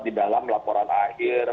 di dalam laporan akhir